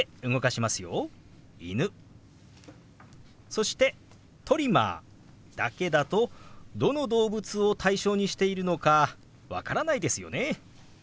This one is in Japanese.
そして「トリマー」だけだとどの動物を対象にしているのか分からないですよね。